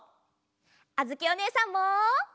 あづきおねえさんも！